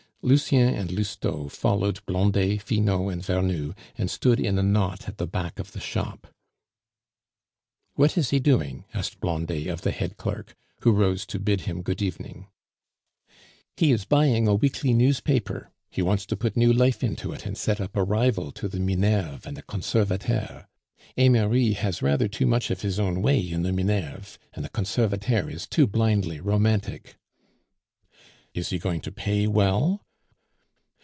Lucien and Lousteau followed Blondet, Finot, and Vernou, and stood in a knot at the back of the shop. "What is he doing?" asked Blondet of the head clerk, who rose to bid him good evening. "He is buying a weekly newspaper. He wants to put new life into it, and set up a rival to the Minerve and the Conservateur; Eymery has rather too much of his own way in the Minerve, and the Conservateur is too blindly Romantic." "Is he going to pay well?"